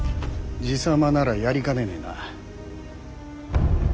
爺様ならやりかねねえな。